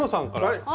はい。